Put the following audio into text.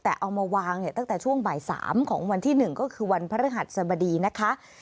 แต่เอามาวางเนี่ยตั้งแต่ช่วงบ่าย๓ของวันที่๑ก็คือวันพระฤหัสสบดีนะคะ